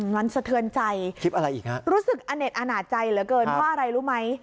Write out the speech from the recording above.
นั้นสะเทือนใจรู้สึกอเน็ตอนะใจเหลือเกินว่าอะไรรู้ไหม